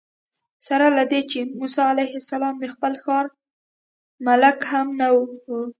سره له دې چې موسی علیه السلام د خپل ښار ملک هم نه و.